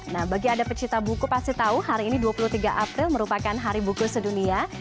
nah bagi ada pecinta buku pasti tahu hari ini dua puluh tiga april merupakan hari buku sedunia